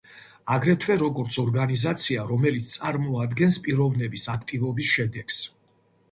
აგრეთვე, როგორც ორგანიზაცია, რომელიც წარმოადგენს პიროვნების აქტივობის შედეგს.